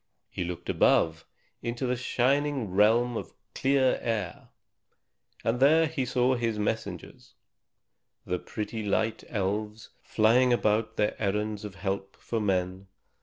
He looked above, into the shining realm of clear air. And there he saw his messengers, the pretty little Light Elves, flying about upon their errands of help for men.